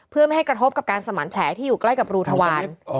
เพื่อไม่ให้กระทบกับการสมานแผลที่อยู่ใกล้กับรูทวาร